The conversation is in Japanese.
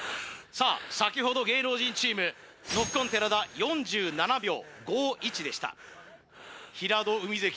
さあ先ほど芸能人チームノッコン寺田４７秒５１でした平戸海関